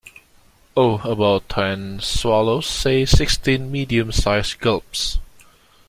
Oh, about ten swallows; say sixteen medium-sized gulps.